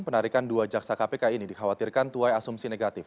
penarikan dua jaksa kpk ini dikhawatirkan tuai asumsi negatif